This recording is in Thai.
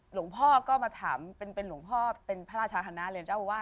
หลวงพ่อก็มาถามเป็นหลวงพ่อเป็นพระราชคณะเลยเจ้าอาวาส